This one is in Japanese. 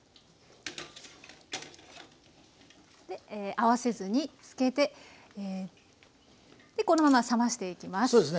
合わせ酢につけてこのまま冷ましていきます。